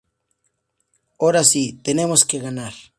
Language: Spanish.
Ora sí ¡tenemos que ganar!